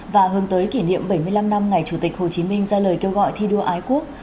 và hướng tới kỷ niệm bảy mươi năm năm ngày chủ tịch hồ chí minh ra lời kêu gọi thi đua ái quốc